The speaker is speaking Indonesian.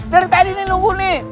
dari tadi ini nunggu nih